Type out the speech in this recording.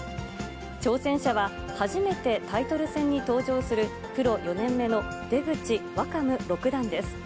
挑戦者は、初めてタイトル戦に登場する、プロ４年目の出口若武六段です。